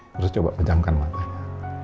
terus coba pejamkan matanya